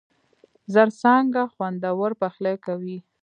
زرڅانگه! خوندور پخلی کوي.